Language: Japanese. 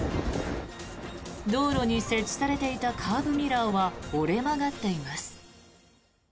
道路に設置されていたカーブミラーは折れ曲がっています。